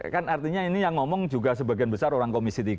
kan artinya ini yang ngomong juga sebagian besar orang komisi tiga